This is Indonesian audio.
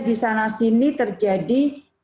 di sana sini terjadi